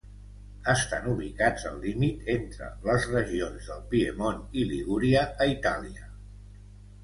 Estan ubicats al límit entre les regions del Piemont i Ligúria a Itàlia.